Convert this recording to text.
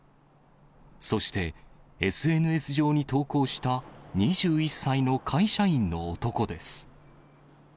そして、ＳＮＳ上に投稿した２１歳の会社員の男です。